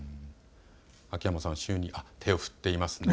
秋山さん、手を振っていますね。